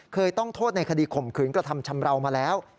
เคยต้องโทษในคดีข่มขืนกระทำชำราวมาแล้ว